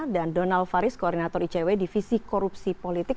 dan donald faris koordinator icw divisi korupsi politik